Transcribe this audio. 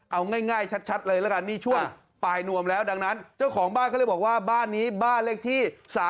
เอาง่ายชัดเลยละกันนี่ช่วงปลายนวมแล้วดังนั้นเจ้าของบ้านเขาเลยบอกว่าบ้านนี้บ้านเลขที่๓๓